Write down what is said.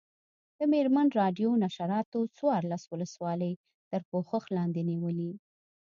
د مېرمن راډیو نشراتو څوارلس ولسوالۍ تر پوښښ لاندې نیولي.